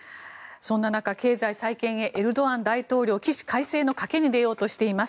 そんな中、経済再建へエルドアン大統領起死回生の賭けに出ようとしています。